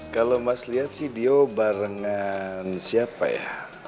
kalau mas lihat sih dia barengan siapa ya